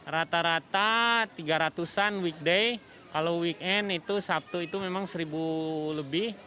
rata rata tiga ratus an weekday kalau weekend itu sabtu itu memang seribu lebih